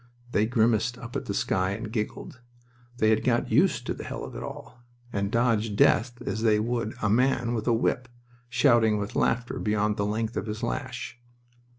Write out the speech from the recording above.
They grimaced up at the sky and giggled. They had got used to the hell of it all, and dodged death as they would a man with a whip, shouting with laughter beyond the length of his lash.